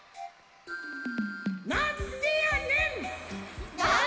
なんでやねん！